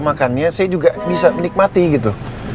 makannya saya juga bisa menikmati gitu